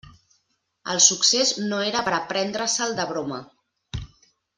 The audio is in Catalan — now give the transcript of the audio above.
El succés no era per a prendre-se'l de broma.